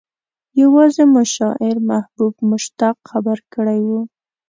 يوازې مو شاعر محبوب مشتاق خبر کړی و.